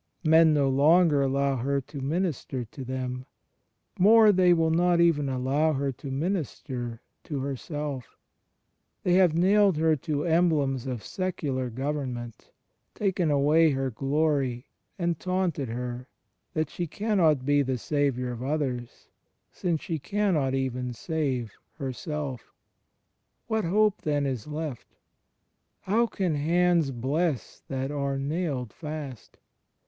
Men no longer allow her to minister to them; more, they will not even allow her to minister to herself. They have nailed her to emblems of secular government; taken ^ John xix : 28. CHRIST IN HIS HISTORICAL LIFE I43 away her glory; and taunted her, that she cannot be the Saviour of others, since she cannot even save herself. What hope then is left? How can hands bless that are nailed fast?